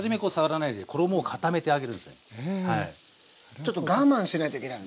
ちょっと我慢しないといけないのね。